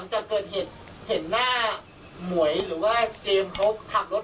ก่อนเกิดนี่ก็บอก